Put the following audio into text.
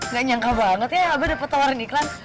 gak nyangka banget ya abah dapat tawarin iklan